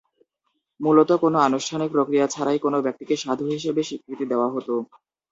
মূলত কোনো আনুষ্ঠানিক প্রক্রিয়া ছাড়াই কোনো ব্যক্তিকে সাধু হিসেবে স্বীকৃতি দেওয়া হতো।